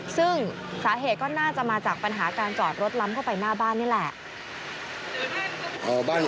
ซึ่งสาเหตุก็น่าจะมาจากปัญหาการจอดรถล้ำเข้าไปหน้าบ้านนี่แหละ